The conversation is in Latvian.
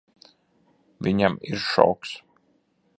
Viņam ir šoks.